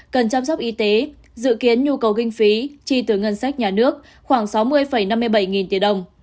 cần chăm sóc y tế dự kiến nhu cầu kinh phí chi từ ngân sách nhà nước khoảng sáu mươi năm mươi bảy nghìn tỷ đồng